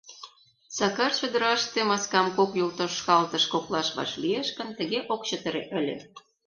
Сакар чодыраште маскам кок йолтошкалтыш коклаш вашлиеш гын, тыге ок чытыре ыле.